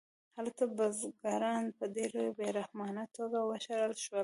هلته بزګران په ډېره بې رحمانه توګه وشړل شول